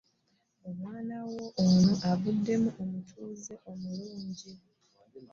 Omwana wo nno avuddemu omutuuze omulungi.